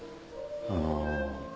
あの。